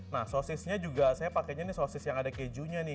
nah sosisnya juga saya pakainya nih sosis yang ada kejunya nih